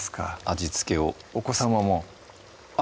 味付けをお子さまもあっ